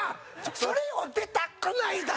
それを出たくないだの！